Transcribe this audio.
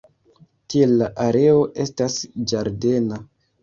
Tiel la areo estas ĝardena.